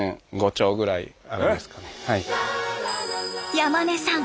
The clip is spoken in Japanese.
山根さん